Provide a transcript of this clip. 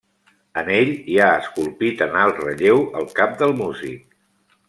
En ell hi ha esculpit en alt relleu el cap del músic.